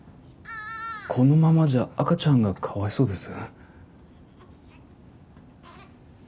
このままじゃ赤ちゃんがかわいそうです。